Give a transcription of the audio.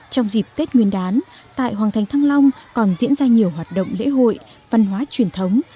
trong dịp tết nguyên đán tại hoàng thành thăng long còn diễn ra nhiều hoạt động lễ hội văn hóa truyền thống